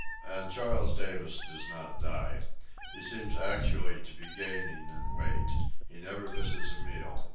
And Charles Davis does not die. He seems actually to be gaining in weight. He never misses a meal.